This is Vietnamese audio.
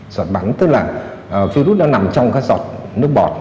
giọt bắn tức là virus nó nằm trong các giọt nước bọt